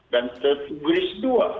dan tertulis dua